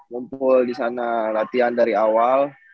mumpul disana latihan dari awal